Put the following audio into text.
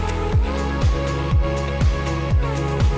น่าจะเรียกได้